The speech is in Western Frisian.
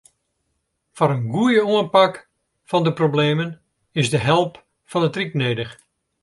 Foar in goeie oanpak fan de problemen is de help fan it ryk nedich.